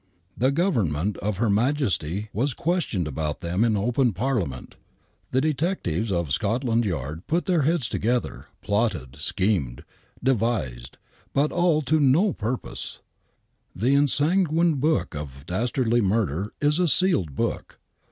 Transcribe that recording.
The Government of Her Majesty was questioned about them in open Parliament. The Detectives of Scotland Yard put their heads together, plotted, schemed, devised, but all to no purpose. The ensanguined book of dastardly murder is a sealed book.